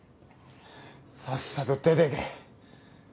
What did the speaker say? さっさと出て行け。